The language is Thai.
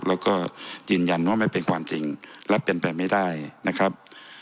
แล้วก็ยืนยันว่าไม่เป็นความจริงรับเป็นไปไม่ได้นะครับ